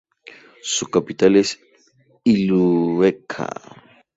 Su capital es Illueca.